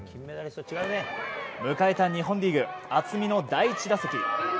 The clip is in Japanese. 迎えた日本リーグ渥美の第１打席。